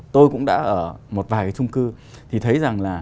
tôi cũng đã ở một vài cái trung cư thì thấy rằng là